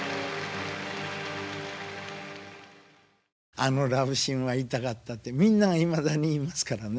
「あのラブシーンは痛かった」ってみんながいまだに言いますからね。